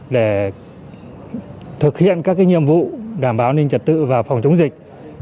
để thực hiện các nhiệm vụ đảm bảo an ninh trật tự và phòng chống dịch